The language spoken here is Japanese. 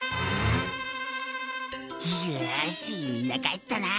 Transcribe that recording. よしみんな帰ったな。